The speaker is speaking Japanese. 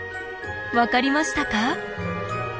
分かりましたか？